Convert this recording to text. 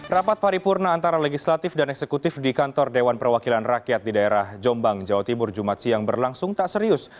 rapat paripurna antara legislatif dan eksekutif di kantor dewan perwakilan rakyat di daerah jombang jawa timur jumat siang berlangsung tak serius